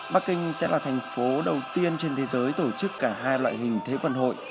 bắc kinh sẽ là thành phố đầu tiên trên thế giới tổ chức cả hai loại hình thế vận hội